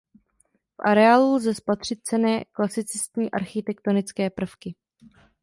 V areálu lze spatřit cenné klasicistní architektonické prvky.